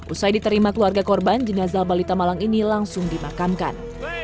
usai diterima keluarga korban jenazah balita malang ini langsung dimakamkan